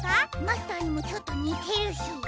マスターにもちょっとにてるし。